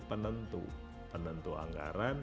penentu penentu anggaran